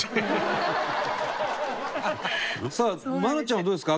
さあ愛菜ちゃんはどうですか？